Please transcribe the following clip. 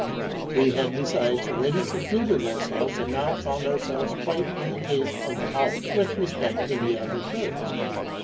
We had besides already secluded ourselves, and now found ourselves quite in the case of the owl with respect to the other birds.